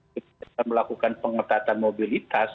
kita melakukan pengetatan mobilitas